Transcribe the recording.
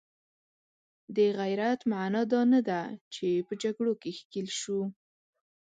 د غیرت معنا دا نه ده چې په جګړو کې ښکیل شو.